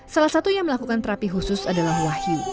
salah satu yang melakukan terapi khusus adalah wahyu